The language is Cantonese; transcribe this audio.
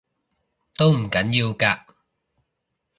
都唔緊要嘅